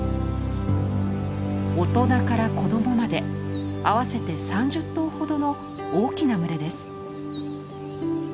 大人から子供まで合わせて３０頭ほどの大きな群れです。